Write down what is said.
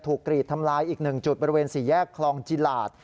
กรีดทำลายอีก๑จุดบริเวณ๔แยกคลองจิลาด